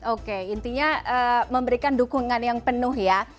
oke intinya memberikan dukungan yang penuh ya